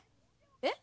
えっ？